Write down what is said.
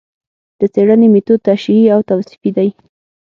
د څېړنې مېتود تشریحي او توصیفي دی